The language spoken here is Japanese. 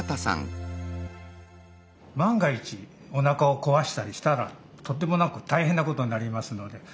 万が一おなかをこわしたりしたらとんでもなく大変なことになりますので。